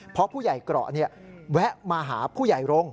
เพราะผู้ใหญ่เกราะแวะมาหาผู้ใหญ่รงค์